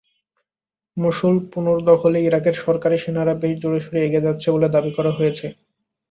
মসুল পুনর্দখলে ইরাকের সরকারি সেনারা বেশ জোরেশোরেই এগিয়ে যাচ্ছে বলে দাবি করা হয়েছে।